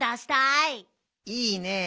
いいねえ。